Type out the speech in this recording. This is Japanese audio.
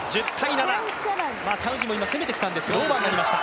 チャン・ウジンも攻めてきたんですがオーバーになりました。